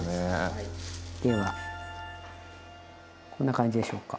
ではこんな感じでしょうか。